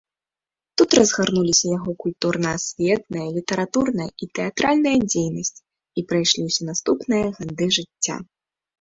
Тут разгарнулася яго культурна-асветная, літаратурная і тэатральная дзейнасць і прайшлі ўсе наступныя гады жыцця.